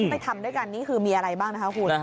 ไปทำด้วยกันนี่คือมีอะไรบ้างนะคะคุณ